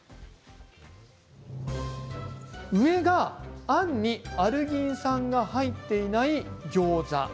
上が、あんにアルギン酸が入っていないギョーザ。